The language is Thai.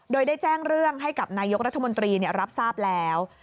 โดยได้แจ้งเรื่องให้กับนายกรัฐมนตรีรับทราบแล้ว